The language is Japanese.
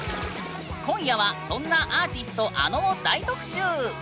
今夜はそんなアーティストａｎｏを大特集！